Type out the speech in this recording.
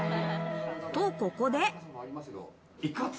と、ここで。